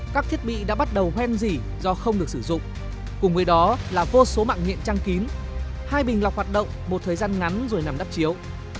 các thiết bị đã bắt đầu hoen dỉ do không được sử dụng cùng với đó là vô số mạng điện trăng kín hai bình lọc hoạt động một thời gian ngắn rồi nằm đắp chiếu